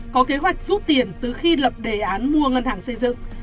có kế hoạch rút tiền từ khi lập đề án mua ngân hàng xây dựng